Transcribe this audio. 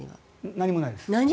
何もないです。